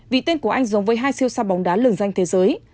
vì tên của anh giống với hai siêu sa bóng đá lừng danh thế giới